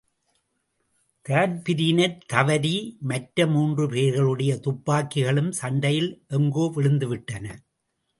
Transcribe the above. தான்பிரீனைத் தவரி மற்ற மூன்று பேர்களுடைய துப்பாக்கிகளும் சண்டையில் எங்கோவிழுந்துவிட்டன.